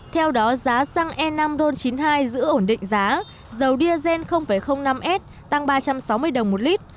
theo đó giá xăng e năm ron chín mươi hai giữ ổn định giá dầu diazen năm s tăng ba trăm sáu mươi đồng một lít